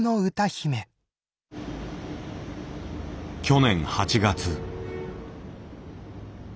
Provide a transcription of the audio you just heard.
去年８月。